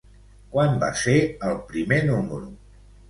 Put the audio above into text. Quan va ser el primer número?